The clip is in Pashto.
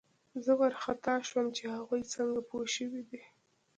زه وارخطا شوم چې هغوی څنګه پوه شوي دي